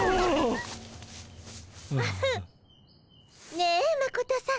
ねえマコトさん